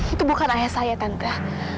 itu bukan ayah saya tante